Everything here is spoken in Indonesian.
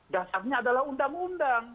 dasarnya adalah undang undang